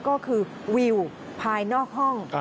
ก็คือวิวภายนอกห้อง